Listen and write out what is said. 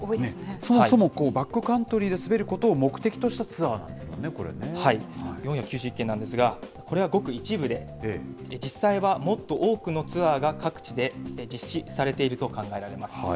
そもそもバックカントリーで滑ることを目的としたツアーなんはい、４９１件なんですが、これはごく一部で、実際はもっと多くのツアーが、各地で実施されていると考えられます。